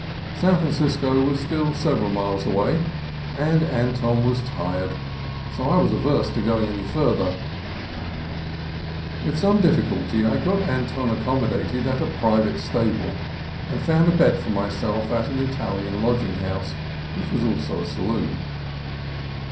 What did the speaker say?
San Francisco was still several miles away, and Anton was tired, so I was averse to going any farther. With some difficulty I got Anton accommodated at a private stable, and found a bed for myself at an Italian lodging house which was also a saloon.